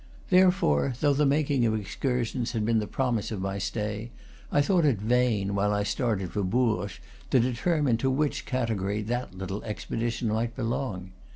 Therefore, though the making of excursions had been the purpose of my stay, I thought it vain, while I started for Bourges, to determine to which category that little expedition might belong.